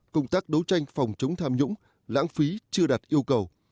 công tác đấu tranh phòng chống tham nhũng lãng phí chưa đạt yêu cầu